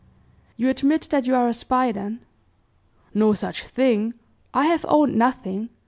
"You admit that you are a spy, then?" "No such thing. I have owned nothing.